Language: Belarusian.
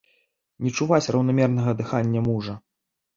Не чуваць раўнамернага дыхання мужа.